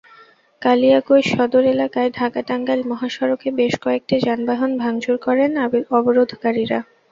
কালিয়াকৈর সদর এলাকায় ঢাকা-টাঙ্গাইল মহাসড়কে বেশ কয়েকটি যানবাহন ভাঙচুর করেন অবরোধকারীরা।